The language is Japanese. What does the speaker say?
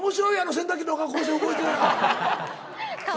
洗濯機の中こうして動いてたら。